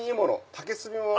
竹炭も。